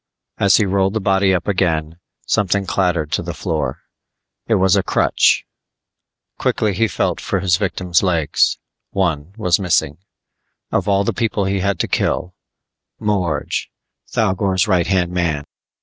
As he rolled the body up again, something clattered to the floor. It was a crutch. Quickly he felt for his victim's legs; one was missing. Of all the people he had to kill Morge! Thougor's right hand man.